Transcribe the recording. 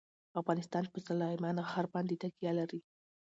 افغانستان په سلیمان غر باندې تکیه لري.